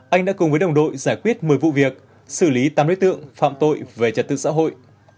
anh đã cùng với đồng đội giải quyết một mươi vụ việc xử lý tám đối tượng phạm tội về trật tự xã hội